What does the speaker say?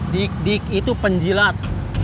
dik dik itu penjilat